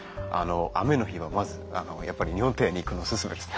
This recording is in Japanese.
雨の日はまずやっぱり日本庭園に行くのオススメです。